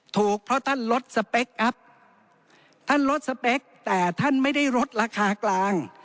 ถูกเพราะท่านลดสเปคอัพท่านลดสเปคแต่ท่านไม่ได้ลดราคากลาง